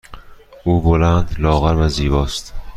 او بلند، لاغر و زیبا است.